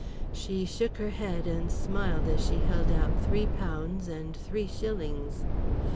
She shook her head and smiled as she held out three pounds and three shillings.